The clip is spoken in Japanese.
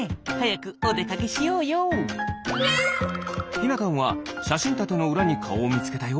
ひなたんはしゃしんたてのうらにかおをみつけたよ。